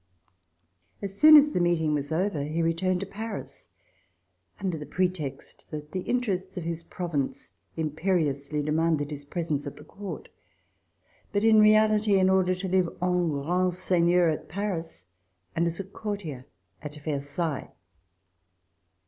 As soon as the meeting was over he returned to Paris, under the pretext that the interests of his province imperiously claimed his presence at the Court, but, in reality, in order to live en grand seigneur at Paris and as a courtier at Versailles.